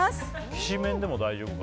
きしめんでも大丈夫かな。